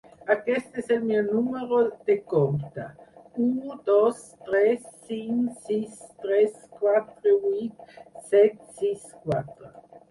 Aquest és el meu número de compte: u dos tres cinc sis tres quatre vuit set sis quatre.